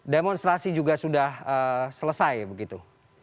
demonstrasi juga sudah selesai begitu